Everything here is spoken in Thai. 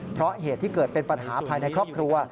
เพราะเหตุที่เกิดเป็นปัญหาภายในครอบครัว